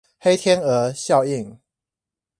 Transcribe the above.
黑天鵝效應